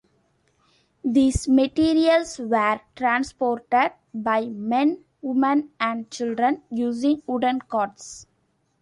These materials were transported by men, women, and children using wooden carts.